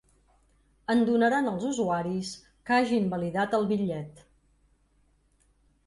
En donaran als usuaris que hagin validat el bitllet.